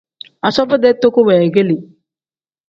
Asubo-dee toko weegeeli.